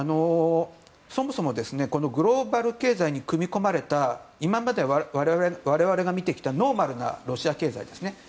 そもそもグローバル経済に組み込まれた今まで我々が見てきたノーマルなロシア経済ですね。